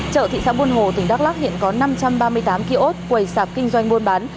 chợ thị xã buôn hồ tỉnh đắk lắc hiện có năm trăm ba mươi tám kiosk quầy sạp kinh doanh buôn bán